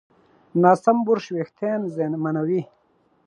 ناسم برش وېښتيان زیانمنوي.